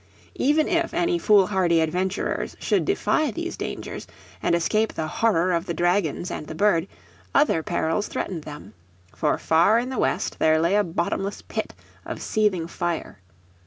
Even if any foolhardy adventurers should defy these dangers, and escape the horror of the dragons and the bird, other perils threatened them. For far in the west there lay a bottomless pit of seething fire.